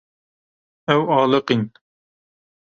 Ew aliqîn.